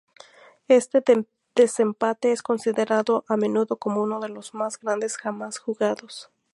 Este desempate es considerado a menudo como uno de los más grandes jamás jugados.